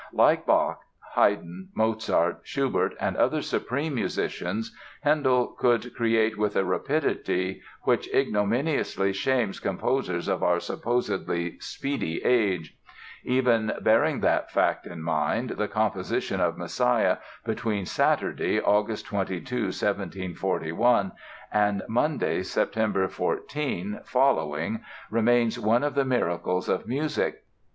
Like Bach, Haydn, Mozart, Schubert and other supreme musicians Handel could create with a rapidity which ignominiously shames composers of our supposedly "speedy" age. Even bearing that fact in mind, the composition of "Messiah" between Saturday, August 22, 1741, and Monday, September 14, following remains one of the miracles of music.